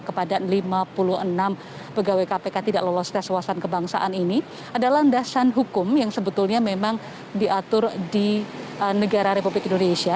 kepada lima puluh enam pegawai kpk tidak lolos tes wawasan kebangsaan ini adalah landasan hukum yang sebetulnya memang diatur di negara republik indonesia